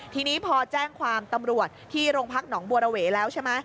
ทีนี้พอแจ้งความตำรวจที่โรงพักษณ์หนองบัวระเวะแล้ว